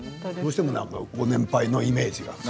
どうしてもご年配のイメージが。